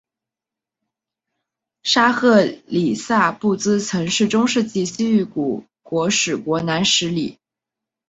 沙赫里萨布兹曾是中世纪西域古国史国南十里。